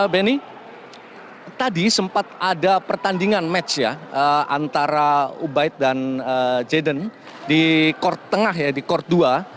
benny tadi sempat ada pertandingan match ya antara ubaid dan jaden di court tengah ya di court dua